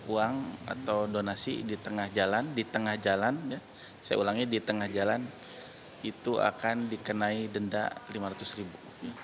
uang atau donasi di tengah jalan di tengah jalan saya ulangi di tengah jalan itu akan dikenai denda lima ratus ribu